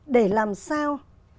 để làm sao